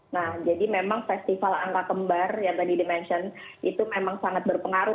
nah jadi memang festival angka kembar yang tadi dimention itu memang sangat berpengaruh